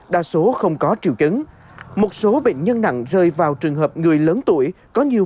đa số không có triệu chứng một số bệnh nhân nặng rơi vào trường hợp người lớn tuổi có nhiều